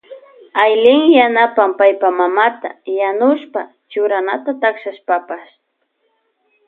Aylin yanapan paypa mamata yanushpa churanata takshashpapash.